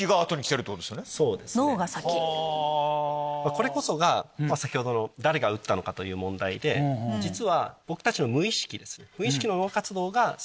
これこそが先ほどの誰が打ったのかという問題で実は僕たちの無意識ですね。